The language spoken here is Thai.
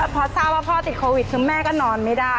พอทราบว่าพ่อติดโควิดคือแม่ก็นอนไม่ได้